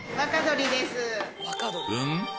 うん？